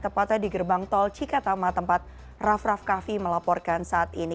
tepatnya di gerbang tol cikatama tempat raff raff kaffi melaporkan saat ini